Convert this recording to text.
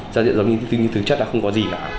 giá trị giống như thứ chất là không có gì cả